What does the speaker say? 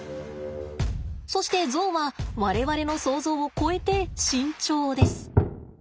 そしてゾウは我々の想ゾウを超えて慎重です。